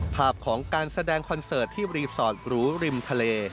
ภาพของการแสดงคอนเสิร์ตที่รีสอร์ตหรูริมทะเล